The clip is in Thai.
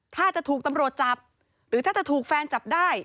ถ้าจะถูกตำรวจจับหรือถ้าจะถูกแฟนจับได้